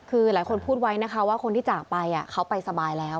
คือหลายคนพูดไว้นะคะว่าคนที่จากไปเขาไปสบายแล้ว